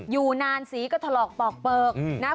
อยู่นานสีก็ถลอกปอกเปลือกนะ